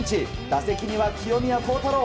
打席には清宮幸太郎。